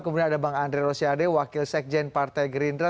kemudian ada bang andre rosiade wakil sekjen partai gerindra